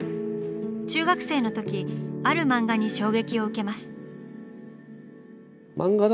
中学生の時ある漫画に衝撃を受けます。